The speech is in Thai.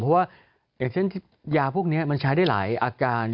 เพราะว่าอย่างเช่นยาพวกนี้มันใช้ได้หลายอาการ